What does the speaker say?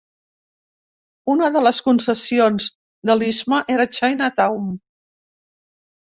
Una de les concessions de l'istme era "China Town".